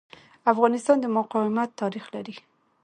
افغانستان د مقاومت تاریخ لري.